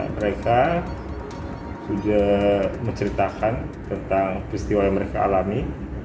mereka sudah menceritakan tentang peristiwa yang mereka alami